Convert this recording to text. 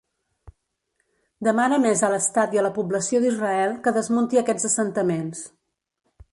Demana més a l'Estat i a la població d'Israel que desmunti aquests assentaments.